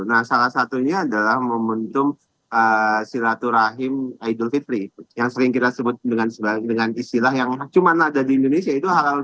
nah salah satunya adalah momentum silaturahim idul fitri yang sering kita sebut dengan istilah yang cuma ada di indonesia